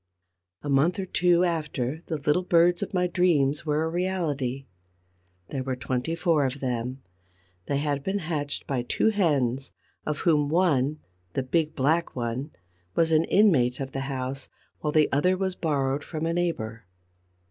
A month or two after the little birds of my dreams were a reality. There were twenty four of them. They had been hatched by two hens, of whom one, the big black one, was an inmate of the house, while the other was borrowed from a neighbor.